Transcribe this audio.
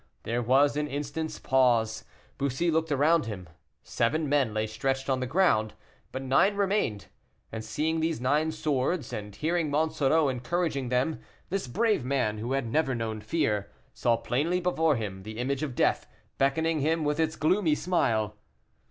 There was an instant's pause. Bussy looked around him. Seven men lay stretched on the ground, but nine remained. And seeing these nine swords, and hearing Monsoreau encouraging them, this brave man, who had never known fear, saw plainly before him the image of death, beckoning him with its gloomy smile.